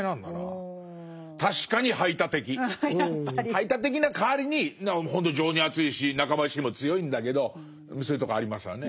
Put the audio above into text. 排他的な代わりにほんと情にあついし仲間意識も強いんだけどそういうとこありますわね。